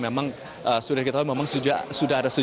memang sudah kita tahu memang sudah ada sejumlah